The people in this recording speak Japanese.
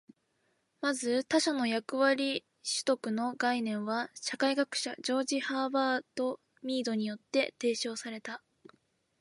まず、「他者の役割取得」の概念は社会学者ジョージ・ハーバート・ミードによって提唱された。